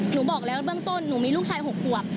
บอกแล้วเบื้องต้นหนูมีลูกชาย๖ขวบ